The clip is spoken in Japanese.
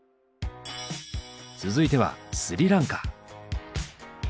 続いてはスリランカ。